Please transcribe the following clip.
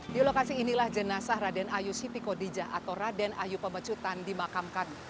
di lokasi inilah jenazah raden ayu siti kodija atau raden ayu pemecutan dimakamkan